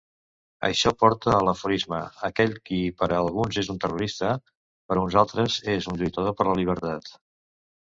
Això porta a l'aforisme "aquell qui per a alguns és un terrorista, per a uns altres és un lluitador per la lliberta".